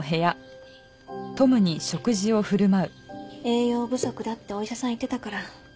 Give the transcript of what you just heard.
栄養不足だってお医者さん言ってたから。